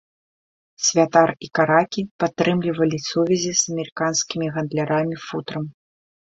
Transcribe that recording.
Святар і каракі падтрымлівалі сувязі з амерыканскімі гандлярамі футрам.